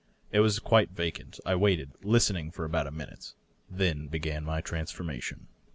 It was quite vacant I waited, listening, for about a minute. Then I b^an my transformation.